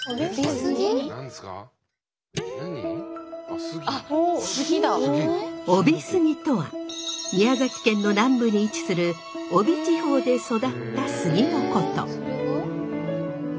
飫肥杉とは宮崎県の南部に位置する飫肥地方で育った杉のこと。